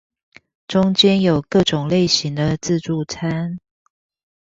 中間有各種類型的自助餐